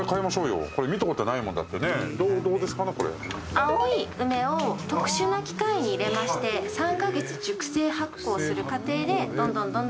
青い梅を特殊な機械に入れまして３カ月熟成発酵する過程でどんどんどんどん黒くなって。